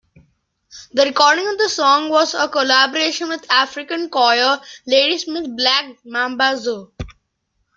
The recording of the song was a collaboration with African choir Ladysmith Black Mambazo.